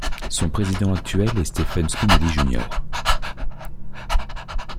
Son président actuel est Stephen Spinelli Jr.